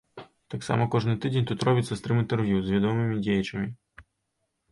Таксама кожны тыдзень тут робіцца стрым-інтэрв'ю з вядомымі дзеячамі.